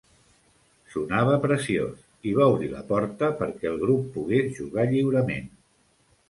Sonava preciós, i va obrir la porta perquè el grup pogués jugar lliurement.